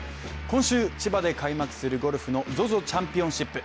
今週、千葉で開幕するゴルフのＺＯＺＯチャンピオンシップ。